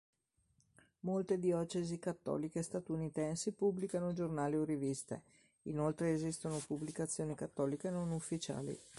Molte diocesi cattoliche statunitensi pubblicano giornali o riviste; inoltre esistono pubblicazioni cattoliche non ufficiali.